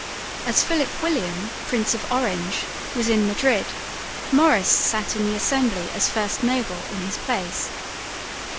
As Philip William, Prince of Orange, was in Madrid, Maurice sat in the assembly as "first noble" in his place.